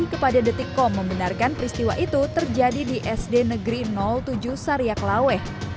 kepada detikkom membenarkan peristiwa itu terjadi di sd negeri tujuh sariaklawe